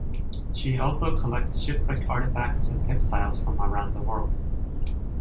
She also collects shipwreck artifacts and textiles from around the world.